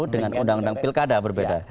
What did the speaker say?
dengan undang undang pilkada berbeda